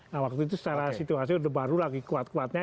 nah waktu itu secara situasi udah baru lagi kuat kuatnya